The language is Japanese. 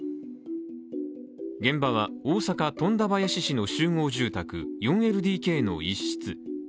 現場は、大阪・富田林市の集合住宅、４ＬＤＫの一室。